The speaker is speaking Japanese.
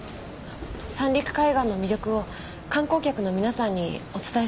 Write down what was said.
三陸海岸の魅力を観光客の皆さんにお伝えしています。